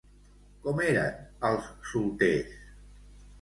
Com eren els solters?